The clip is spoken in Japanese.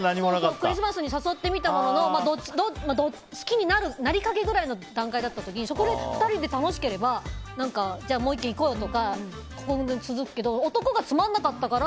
クリスマスに誘ってみたものの好きになりかけぐらいの段階だった時にそこで２人で楽しければじゃあもう１軒、行こうよとか続くけれど男がつまらなかったら